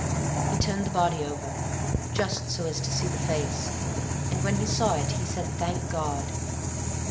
"He turned the body over, just so as to see the face, and when he saw it, he said, 'Thank God.